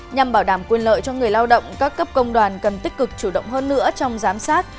nhằm bảo đảm quyền lợi cho người lao động các cấp công đoàn cần tích cực chủ động hơn nữa trong giám sát